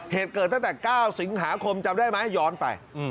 เหตุเกิดตั้งแต่๙สิงหาคมจำได้ไหมย้อนไป